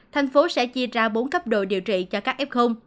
thành phố sẽ chia ra bốn cấp độ điều trị cho các f